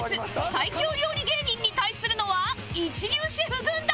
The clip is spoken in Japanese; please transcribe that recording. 最強料理芸人に対するのは一流シェフ軍団